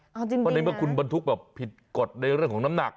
เพราะในเมื่อคุณบรรทุกแบบผิดกฎในเรื่องของน้ำหนัก